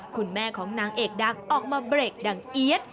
คุณแม่ของนางเอกดังออกมาเบรกดังเอี๊ยด